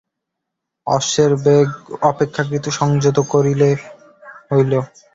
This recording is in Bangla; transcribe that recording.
অশ্বের বেগ অপেক্ষাকৃত সংযত করিতে হইল।